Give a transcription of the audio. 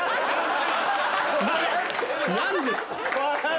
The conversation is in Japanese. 何ですか？